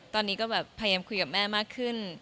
ตอนนี้ก็แบบพยายามคุยกับแม่มากขึ้น